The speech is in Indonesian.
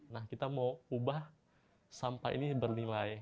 nah kita mau ubah sampah ini bernilai